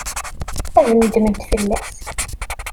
Ad nedment fell-as.